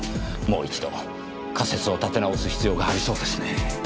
もう一度仮説を立て直す必要がありそうですねぇ。